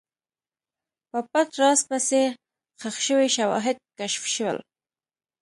په پټ راز پسې، ښخ شوي شواهد کشف شول.